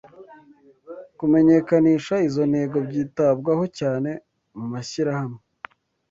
kumenyekanisha izo ntego byitabwaho cyane mu mashyirahamwe